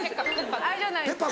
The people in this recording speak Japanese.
あれじゃないです